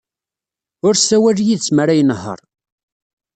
Ur ssawal yid-s mi ara inehheṛ.